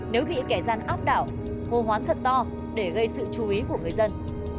nếu bị kẻ gian áp đảo hô hoán thật to để gây sự chú ý của người dân